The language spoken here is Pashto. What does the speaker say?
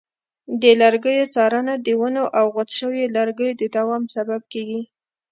د لرګیو څارنه د ونو او غوڅ شویو لرګیو د دوام سبب کېږي.